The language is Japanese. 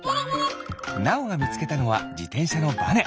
なおがみつけたのはじてんしゃのバネ。